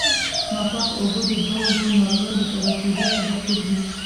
ناپاکه اوبه د ډول ډول ناروغیو د پیدا کېدو سبب ګرځي.